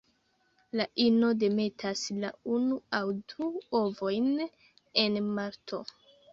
La ino demetas la unu aŭ du ovojn en marto.